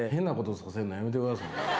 させんの、やめてくださいよ。